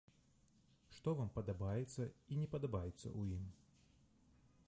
Што вам падабаецца і не падабаецца ў ім?